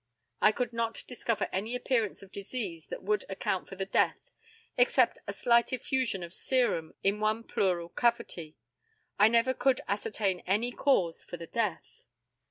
I could not discover any appearance of disease that would account for the death, except a slight effusion of serum in one pleural cavity. I never could ascertain any cause for the death.